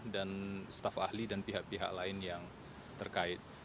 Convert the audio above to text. dan staff ahli dan pihak pihak lain yang terkait